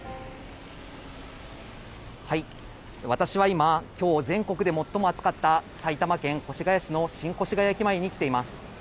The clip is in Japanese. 私は今、きょう、全国で最も暑かった埼玉県越谷市の新越谷駅前に来ています。